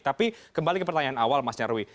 tapi kembali ke pertanyaan awal mas nyarwi